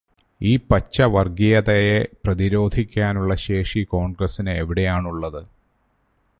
ഈ പച്ച വര്ഗീയതയെ പ്രതിരോധിക്കാനുള്ള ശേഷി കോണ്ഗ്രസ്സിന് എവിടെയാണുള്ളത്?